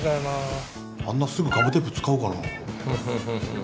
あんなすぐガムテープ使うかな？